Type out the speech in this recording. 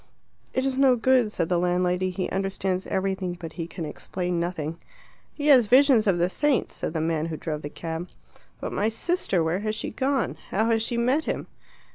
"It is no good," said the landlady. "He understands everything but he can explain nothing." "He has visions of the saints," said the man who drove the cab. "But my sister where has she gone? How has she met him?"